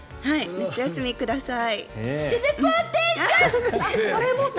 夏休みください。